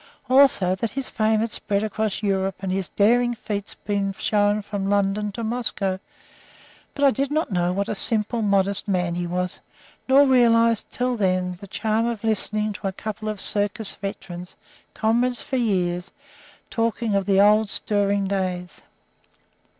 Also that his fame had spread across Europe and his daring feats been shown from London to Moscow; but I did not know what a simple, modest man he was, nor realize until then the charm of listening to a couple of circus veterans, comrades for years, talking of the old stirring days.